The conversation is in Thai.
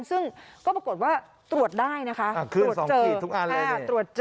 ซึ่งก็ปรากฏว่าตรวจได้นะคะตรวจเจอ